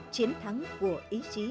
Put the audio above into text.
chiến thắng của ý chí